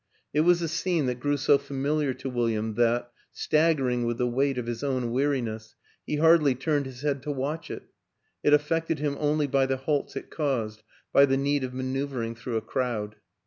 It was a scene that grew so familiar to William that, stag gering with the weight of his own weariness, he hardly turned his head to watch it; it affected him only by the halts it caused, by the need of ma neuvering through a crowd.